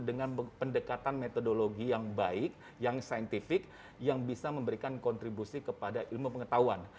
dengan pendekatan metodologi yang baik yang saintifik yang bisa memberikan kontribusi kepada ilmu pengetahuan